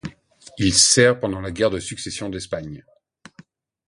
Il sert pendant la guerre de Succession d'Espagne.